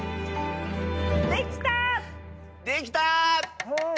できた！